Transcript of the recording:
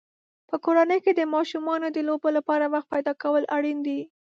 په کورنۍ کې د ماشومانو د لوبو لپاره وخت پیدا کول اړین دي.